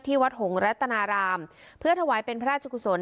วัดหงรัตนารามเพื่อถวายเป็นพระราชกุศล